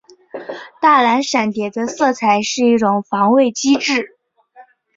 大蓝闪蝶的色彩是一种防卫机制。